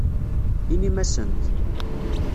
Inim-asent.